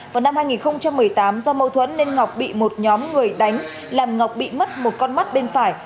vào năm hai nghìn một mươi tám do mâu thuẫn nên ngọc bị một nhóm người đánh làm ngọc bị mất một con mắt bên phải